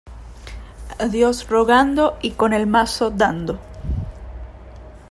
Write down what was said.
A Dios rogando y con el mazo dando.